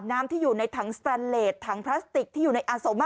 น้ำที่อยู่ในถังสแตนเลสถังพลาสติกที่อยู่ในอาโซมา